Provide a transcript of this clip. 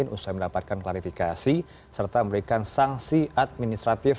usai mendapatkan klarifikasi serta memberikan sanksi administratif